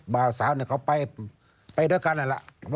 บ่าสาวเขาไปดีกันแล้ว